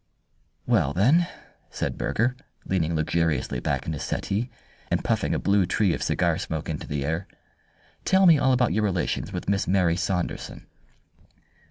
"Well, then," said Burger, leaning luxuriously back in his settee, and puffing a blue tree of cigar smoke into the air, "tell me all about your relations with Miss Mary Saunderson."